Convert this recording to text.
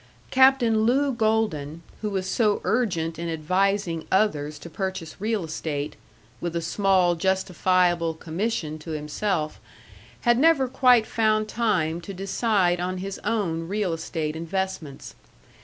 Captain Lew Golden, who was so urgent in advising others to purchase real estate with a small, justifiable commission to himself had never quite found time to decide on his own real estate investments.